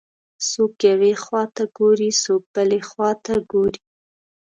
څوک یوې خواته ګوري، څوک بلې خواته ګوري.